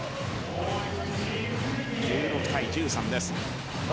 １６対１３です。